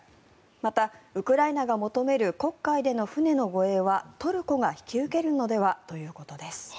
また、ウクライナが求める黒海での船の護衛はトルコが引き受けるのではということです。